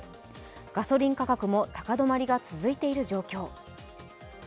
ガソリン価格も高止まりが続いている状況。